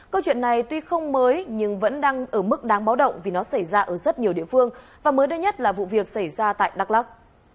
câu chuyện này tuy không mới nhưng vẫn đang ở mức đáng báo động vì nó xảy ra ở rất nhiều địa phương và mới đây nhất là vụ việc xảy ra tại đắk lắc